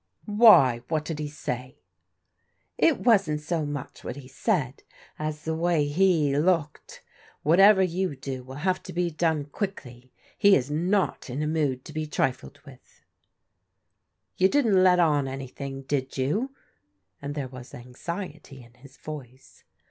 ••Why, what did he say?" •• It wasn't so much what he said, as the way \\e\oc^^t.^ 162 PRODIGAL DAUGHTEBS Whatever you do, will have to be done quickly. He is not in a mood to be trifled with/' " You didn't let on anything, did you? " and there was anxiety in his voice.